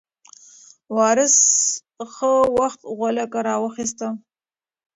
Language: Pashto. وارث څه وخت غولکه راواخیسته؟